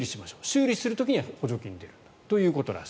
修理する時には補助金が出るという。